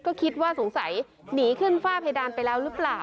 ก็คิดว่าสงสัยหนีขึ้นฝ้าเพดานไปแล้วหรือเปล่า